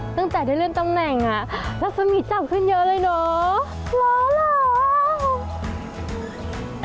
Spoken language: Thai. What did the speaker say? ตั้งแต่ได้เล่นตำแหน่งแล้วสมิทจับขึ้นเยอะเลยเนอะ